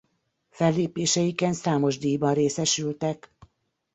Fellépéseiken számos díjban részesültek.